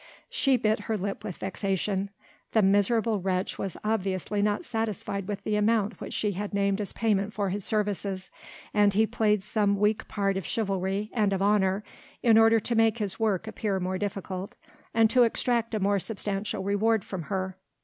She bit her lip with vexation. The miserable wretch was obviously not satisfied with the amount which she had named as payment for his services, and he played some weak part of chivalry and of honour in order to make his work appear more difficult, and to extract a more substantial reward from her.